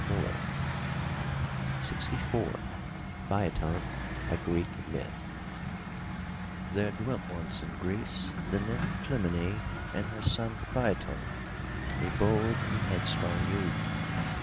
26y M Y BOOK HOUSE PHAETON A Greek Myth There dwelt once in Greece the nymph Clymene and her son, Phaeton, a bold and headstrong youth.